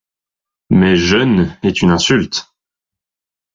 Mais Jeune est une insulte.